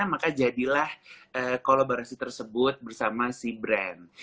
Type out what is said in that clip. maka jadilah kolaborasi tersebut bersama si brand